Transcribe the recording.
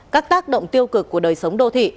các tác động tiêu cực của đời sống đô thị